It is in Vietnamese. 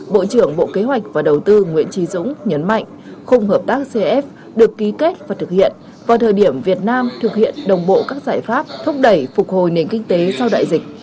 bộ trưởng bộ kế hoạch và đầu tư nguyễn trí dũng nhấn mạnh khung hợp tác cf được ký kết và thực hiện vào thời điểm việt nam thực hiện đồng bộ các giải pháp thúc đẩy phục hồi nền kinh tế sau đại dịch